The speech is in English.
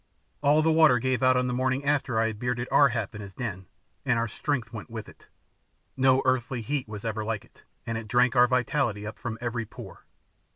All the water gave out on the morning after I had bearded Ar hap in his den, and our strength went with it. No earthly heat was ever like it, and it drank our vitality up from every pore.